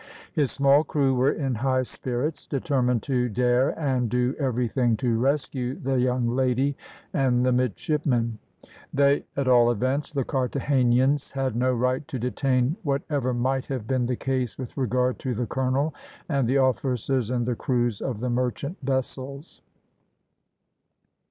His small crew were in high spirits, determined to dare and do everything to rescue the young lady and the midshipmen. They, at all events, the Carthagenans had no right to detain whatever might have been the case with regard to the colonel, and the officers and the crews of the merchant vessels.